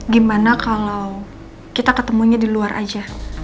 gimana kalau kita ketemunya di luar aja